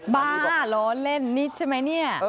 บ้าโรนเล่นนิดใช่ไหม